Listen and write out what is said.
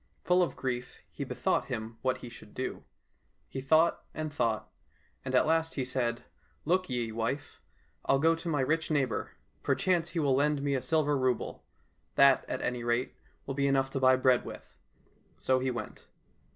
Full of grief, he bethought him what he should do. He thought and thought, and at last he said, " Look ye, wife ! I'll go to my rich neighbour. Perchance he will lend me a silver rouble ; that, at any rate, will be enough to buy bread with." So he went.